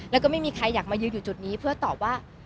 แล้วก็ไม่มีใครอยากมายืนอยู่จุดนี้เพื่อตอบว่า